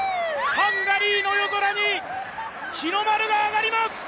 ハンガリーの夜空に日の丸があがります！